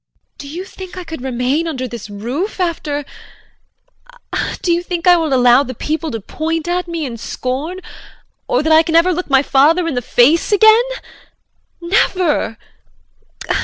Do you think I could remain under this roof after Do you think I will allow the people to point at me in scorn, or that I can ever look my father in the face again? Never!